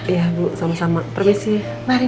iya bu sama sama permisi